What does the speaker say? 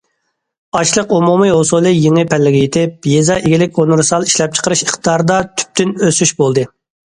ئاشلىق ئومۇمىي ھوسۇلى يېڭى پەللىگە يېتىپ، يېزا ئىگىلىك ئۇنىۋېرسال ئىشلەپچىقىرىش ئىقتىدارىدا تۈپتىن ئۆسۈش بولدى.